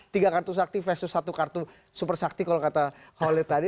tiga kartu sakti versus satu kartu super sakti kalau kata holid tadi